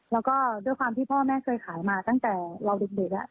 แล้วก็ด้วยความที่พ่อแม่เคยขายมาตั้งแต่เราเด็กแล้ว